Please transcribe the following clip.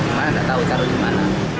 saya tahu taruh di mana